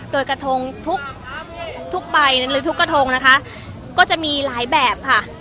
โดยกระทงทุกทุกใบหรือทุกกระทงนะคะก็จะมีหลายแบบค่ะ